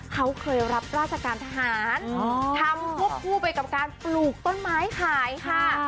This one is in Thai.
เขาเคยรับราชการทหารทำควบคู่ไปกับการปลูกต้นไม้ขายค่ะ